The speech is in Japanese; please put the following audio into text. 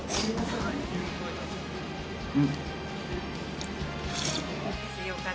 うん。